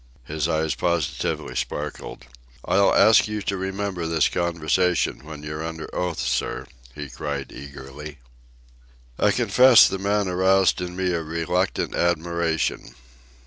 His eyes positively sparkled. "I'll ask you to remember this conversation when you're under oath, sir," he cried eagerly. I confess the man aroused in me a reluctant admiration.